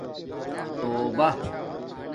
توبہ